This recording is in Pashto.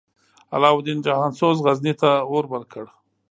علاوالدین جهان سوز، غزني ته اور ورکړ.